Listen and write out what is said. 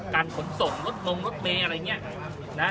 การผลส่งลดมงลดเมอะไรเงี้ยนะ